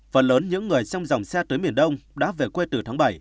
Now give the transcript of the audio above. phần lớn những người trong dòng xe tới miền đông đã về quê từ tháng bảy